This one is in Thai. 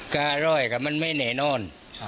การร่อยกับมันไม่แน่นอน